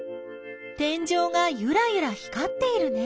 天井がゆらゆら光っているね。